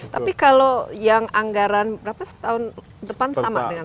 tapi kalau yang anggaran berapa tahun depan sama dengan